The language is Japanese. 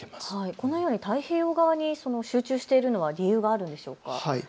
このように太平洋側に集中しているのは理由があるんでしょうか。